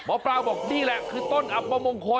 มหาวบอกนี่แหละคือต้นอัพพระมงคล